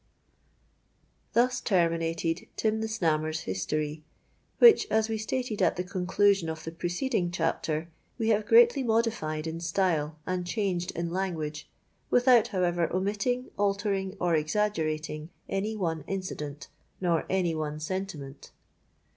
Thus terminated Tim the Snammer's History, which, as we stated at the conclusion of the preceding chapter, we have greatly modified in style and changed in language, without however omitting, altering, or exaggerating any one incident, nor any one sentiment.